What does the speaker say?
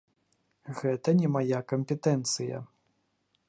Гэта не мая кампетэнцыя.